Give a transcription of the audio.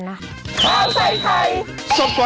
คนเอาไปเราก็รอด